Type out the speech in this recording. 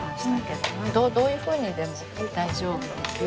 どういうふうにでも大丈夫ですよ。